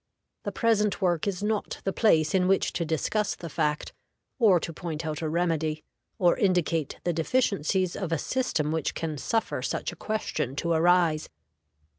The present work is not the place in which to discuss the fact, or to point out a remedy, or indicate the deficiencies of a system which can suffer such a question to arise.